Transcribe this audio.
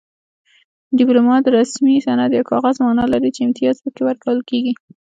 ډیپلوما د رسمي سند یا کاغذ مانا لري چې امتیاز پکې ورکول کیږي